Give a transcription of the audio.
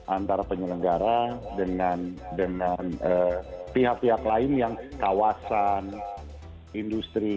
antara penyelenggara dengan pihak pihak lain yang kawasan industri